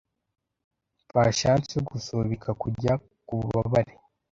Perchance yo gusubika kujya kububabare